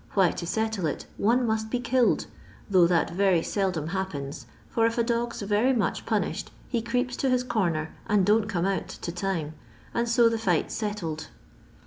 why to settle it, one must be killed — though that very seldom happens, for if a dog's very much pu nished, he creeps to his comer and don't come out to time, and so the fight 's settled.